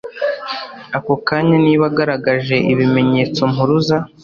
ako kanya niba agaragaje ibimenyetso mpuruza